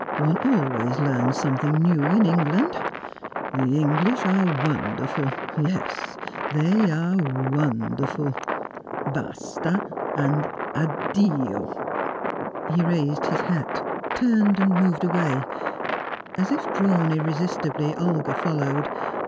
One always learns something new in England. The English are wonderful yes, they are wonderful. Basta! and addio!" He raised his hat, turned, moved away. As if drawn irresistibly, Olga followed.